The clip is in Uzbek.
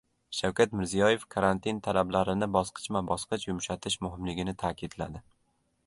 Shavkat Mirziyoyev karantin talablarini bosqichma-bosqich yumshatish muhimligini ta’kidladi